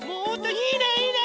いいねいいね！